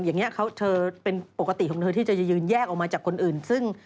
อย่างนี้เธอเป็นปกติของเธอที่จะยืนแยกออกมาจากคนอื่นซึ่ง